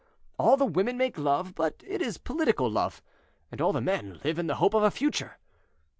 All the women make love, but it is political love; and all the men live in the hope of a future.